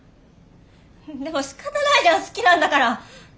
でもしかたないじゃん好きなんだから！